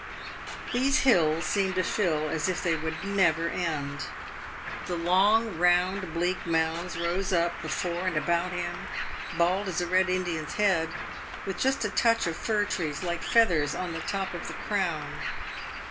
These hills seemed to Phil as if they would never end. The long, round, bleak mounds rose up before and about him, bald as a Red Indian's head, with just a bunch of fir trees like feathers on the top of the crown.